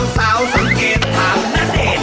สาวสังเกตถามณเดชน์